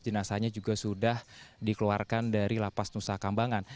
jenazahnya juga sudah dikeluarkan dari lapas nusa kambangan